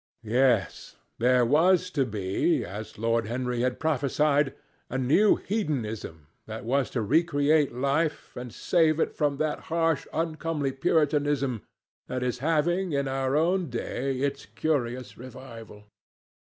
Yes: there was to be, as Lord Henry had prophesied, a new Hedonism that was to recreate life and to save it from that harsh uncomely puritanism that is having, in our own day, its curious revival.